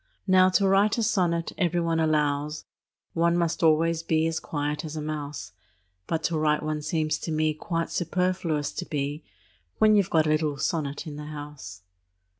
Now, to write a sonnet, every one allows, One must always be as quiet as a mouse; But to write one seems to me Quite superfluous to be, When you 've got a little sonnet in the house.